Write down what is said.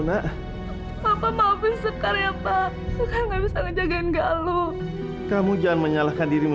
enggak apa apa maafin sekarang ya pak enggak bisa menjaga galuh kamu jangan menyalahkan dirimu